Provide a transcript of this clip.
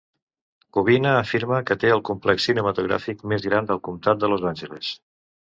Covina afirma que té el complex cinematogràfic més gran del comtat de Los Àngeles.